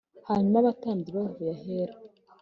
Hanyuma abatambyi bavuye Ahera